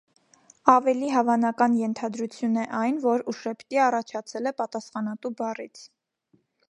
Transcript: Ավելի հավանական ենթադրություն է այն, որ ուշեբտի առաջացել է «պատասխանատու» բառից։